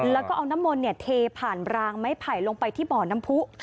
แล้วก็เอาน้ำมนต์เทผ่านรางไม้ไผ่ลงไปที่บ่อน้ำผู้